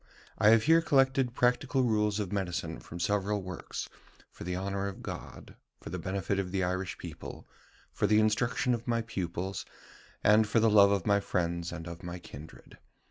I have here collected practical rules of medicine from several works, for the honour of God, for the benefit of the Irish people, for the instruction of my pupils, and for the love of my friends and of my kindred.